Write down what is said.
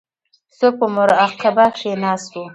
څوک په مراقبه کې ناست وو.